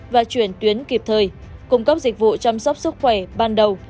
và chuyển tuyến kịp thời cung cấp dịch vụ chăm sóc sức khỏe ban đầu